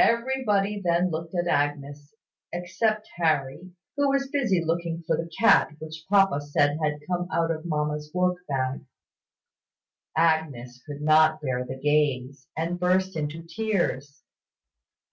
Everybody then looked at Agnes, except Harry, who was busy looking for the cat which papa said had come out of mamma's work bag. Agnes could not bear the gaze, and burst into tears.